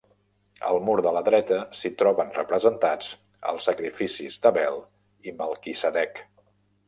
Al mur de la dreta s'hi troben representats els sacrificis d'Abel i Melquisedec.